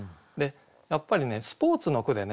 やっぱりねスポーツの句でね